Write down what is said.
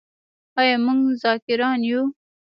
آیا موږ ذاکران یو؟